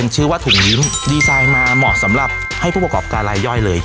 ชื่อว่าถุงยิ้มดีไซน์มาเหมาะสำหรับให้ผู้ประกอบการลายย่อยเลย